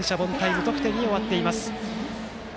無得点に終わっています。